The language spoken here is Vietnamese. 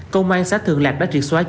công an xã thường lạc đã triệt xóa